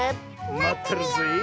まってるぜえ。